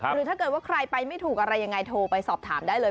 หรือถ้าเกิดว่าใครไปไม่ถูกอะไรยังไงโทรไปสอบถามได้เลย